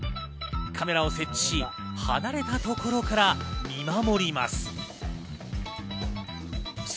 カメラを設置し、離れたところから見守ります。